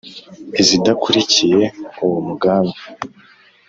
izidakurikiye uwo mugambi,